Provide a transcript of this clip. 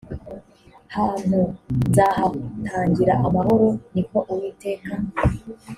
hantu nzahatangira amahoro ni ko uwiteka